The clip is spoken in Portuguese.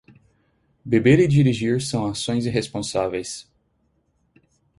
Beber e dirigir são ações irresponsáveis.